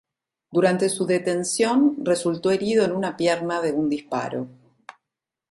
Durante su detención resultó herido en una pierna de un disparo.